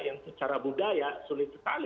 yang secara budaya sulit sekali